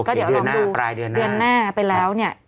ก็เดี๋ยวลองดูเดือนหน้าไปแล้วเนี่ย